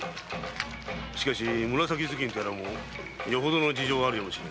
しかし紫頭巾とやらもよほどの事情があるやもしれん。